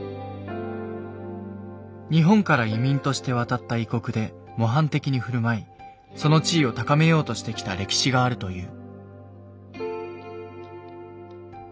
日本から移民として渡った異国で模範的に振る舞いその地位を高めようとしてきた歴史があるという。